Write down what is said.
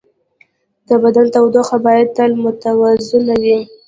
د بدن تودوخه باید تل متوازنه وي.